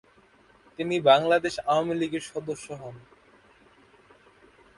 তিনি বাংলাদেশ আওয়ামী লীগের সদস্য হন।